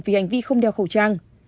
vì hành vi không đeo khẩu trang